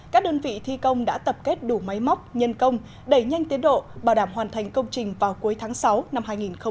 các đơn vị thi công đã tập kết đủ máy móc nhân công đẩy nhanh tiến độ bảo đảm hoàn thành công trình vào cuối tháng sáu năm hai nghìn hai mươi